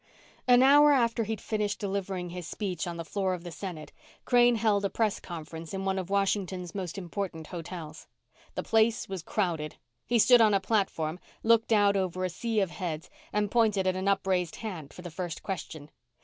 An hour after he'd finished delivering his speech on the floor of the Senate, Crane held a press conference in one of Washington's most important hotels. The place was crowded. He stood on a platform, looked out over a sea of heads, and pointed at an upraised hand for the first question.